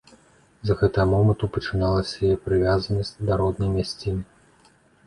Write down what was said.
З гэтага моманту пачыналася яе прывязанасць да роднай мясціны.